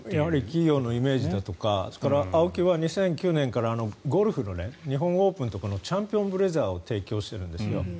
企業のイメージだとかＡＯＫＩは２００９年からゴルフの日本オープンとかのチャンピオンブレザーを提供しているんです。